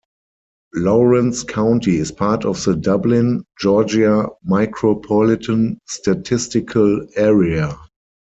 Laurens County is part of the Dublin, Georgia Micropolitan Statistical Area.